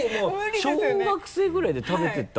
小学生ぐらいで食べてた？